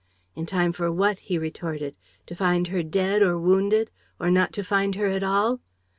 "In time for what?" he retorted. "To find her dead or wounded? Or not to find her at all?